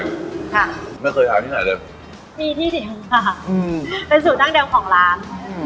ไม่เคยถามที่ไหนเลยมีที่สิค่ะอืมเป็นศูนย์ดังเด็กของร้าน